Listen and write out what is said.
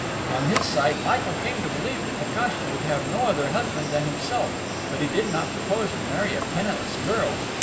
On his side, Michael came to believe that Natacha would have no other husband than himself, but he did not propose to marry a penniless girl!